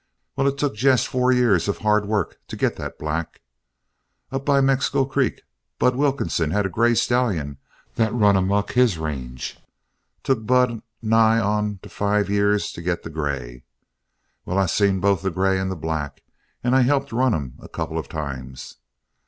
Well, it took Jess four years of hard work to get the black. Up by Mexico Creek, Bud Wilkinson had a grey stallion that run amuck on his range. Took Bud nigh onto five years to get the grey. Well, I seen both the grey and the black, and I helped run 'em a couple of times.